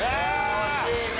惜しいね。